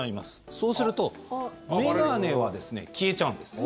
そうすると眼鏡は消えちゃうんです。